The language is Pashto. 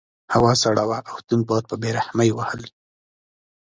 هوا سړه وه او تند باد په بې رحمۍ وهلو.